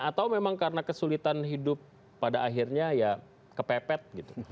atau memang karena kesulitan hidup pada akhirnya ya kepepet gitu